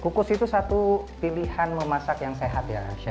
kukus itu satu pilihan memasak yang sehat ya